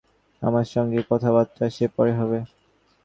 আমার সঙ্গে কথাবার্তা সে পরে হবে।